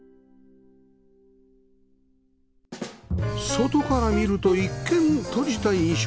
外から見ると一見閉じた印象